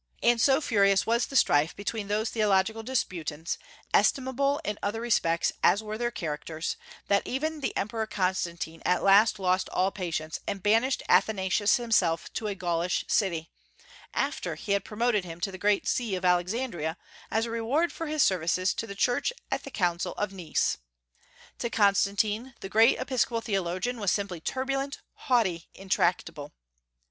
And so furious was the strife between those theological disputants, estimable in other respects as were their characters, that even the Emperor Constantine at last lost all patience and banished Athanasius himself to a Gaulish city, after he had promoted him to the great See of Alexandria as a reward for his services to the Church at the Council of Nice. To Constantine the great episcopal theologian was simply "turbulent," "haughty," "intractable."